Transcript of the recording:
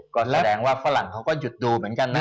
ก็แสดงว่าฝรั่งเขาก็หยุดดูเหมือนกันนะ